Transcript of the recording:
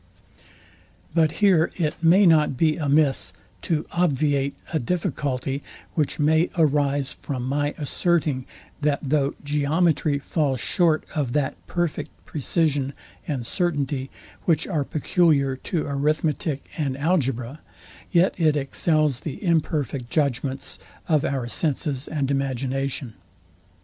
But here it may not be amiss to obviate a difficulty, which may arise from my asserting, that though geometry falls short of that perfect precision and certainty, which are peculiar to arithmetic and algebra, yet it excels the imperfect judgments of our senses and imagination.